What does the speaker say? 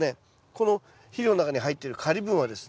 この肥料の中に入っているカリ分はですね